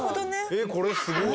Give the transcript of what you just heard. えっこれすごい！